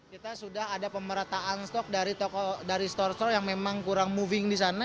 kita sudah ada pemerataan stok dari store store yang memang kurang moving di sana